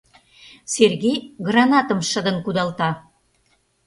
Сергей гранатым шыдын кудалта.